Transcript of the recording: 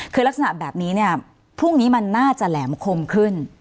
คือลักษณะแบบนี้เนี่ยพรุ่งนี้มันน่าจะแหลมคมขึ้น